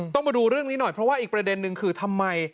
มาดูเรื่องนี้หน่อยเพราะว่าอีกประเด็นนึงคือทำไม